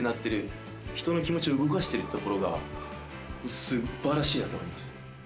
ひとのきもちをうごかしてるところがすばらしいなとおもいます。